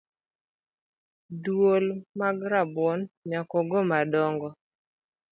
Duol mag rabuon nyakago madongo.